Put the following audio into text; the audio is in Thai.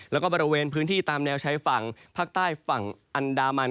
แล้วก็บริเวณพื้นที่ตามแนวชายฝั่งภาคใต้ฝั่งอันดามัน